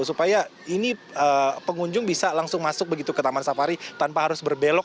supaya ini pengunjung bisa langsung masuk begitu ke taman safari tanpa harus berbelok